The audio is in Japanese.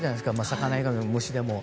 魚以外の虫でも。